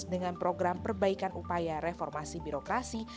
dengan program perbaikan upaya reformasi birokrasi